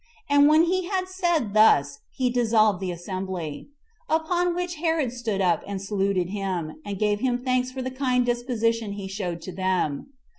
And when he had said thus, he dissolved the assembly; upon which Herod stood up and saluted him, and gave him thanks for the kind disposition he showed to them.